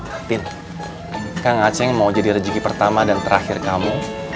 tapi kang aceh mau jadi rezeki pertama dan terakhir kamu